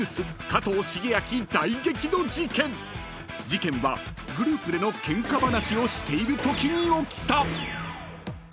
［事件はグループでのケンカ話をしているときに起きた］